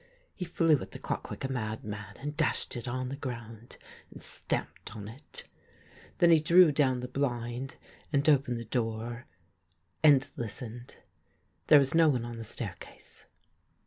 He flew at the clock like a madman, and dashed it on the ground, and stamped on it. Then he drew doAvn the blind, and opened the door and listened ; there was no one on the staircase.